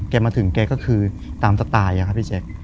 มาถึงแกก็คือตามสไตล์อะครับพี่แจ๊ค